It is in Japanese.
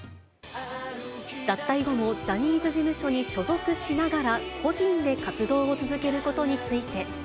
脱退後もジャニーズ事務所に所属しながら、個人で活動を続けることについて。